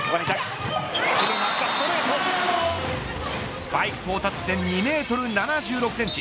スパイク到達点２メートル７６センチ。